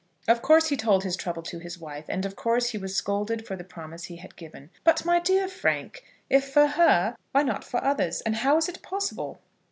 Of course he told his trouble to his wife; and of course he was scolded for the promise he had given. "But, my dear Frank, if for her, why not for others; and how is it possible?"